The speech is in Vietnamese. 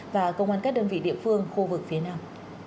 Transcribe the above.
và công an các đơn vị địa phương khu vực phía nam